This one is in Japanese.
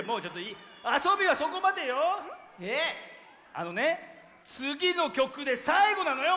あのねつぎのきょくでさいごなのよ